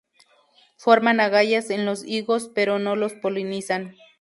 Forman agallas en los higos, pero no los polinizan.